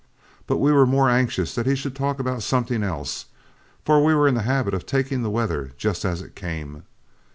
But we were more anxious that he should talk about something else, for we were in the habit of taking the weather just as it came.